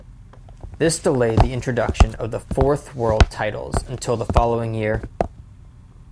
This delayed the introduction of the "Fourth World" titles until the following year.